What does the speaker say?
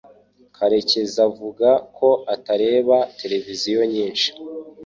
Karekeziavuga ko atareba televiziyo nyinshi